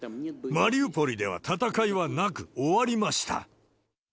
マリウポリでは戦いはなく、終わりました。